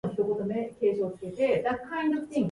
夜遅いです。